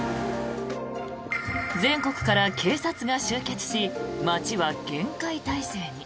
全国から警察が集結し街は厳戒態勢に。